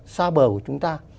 xa bờ của chúng ta